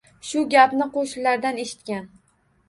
Shu gapni qoʻshnilaridan eshitgan.